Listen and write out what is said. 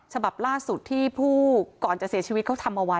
ฉบับล่าสุดที่ผู้ก่อนจะเสียชีวิตเขาทำเอาไว้